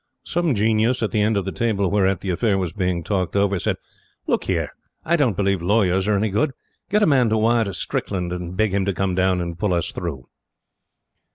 Some genius at the end of the table whereat the affair was being talked over, said: "Look here! I don't believe lawyers are any good. Get a man to wire to Strickland, and beg him to come down and pull us through."